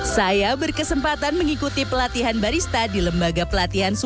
saya berkesempatan mengikuti pelatihan barista di lembaga pelatihan